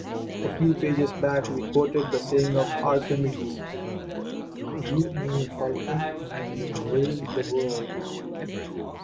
A few pages back we quoted the saying of Archimedes: "Give me a fulcrum and I will raise the world."